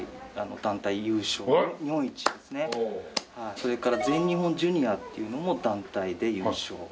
それから全日本ジュニアっていうのも団体で優勝。